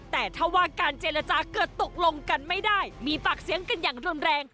แต่ถ้าว่าการเจรจาเกิดตกลงกันไม่ได้มีปากเสียงกันอย่างรุนแรง